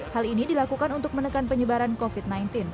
hal ini dilakukan untuk menekan penyebaran covid sembilan belas